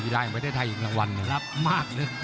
๕รางวัลรับเยอะมาก